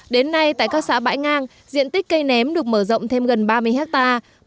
đến nay tại các xã bãi ngang diện tích cây ném được mở rộng thêm gần ba mươi hectare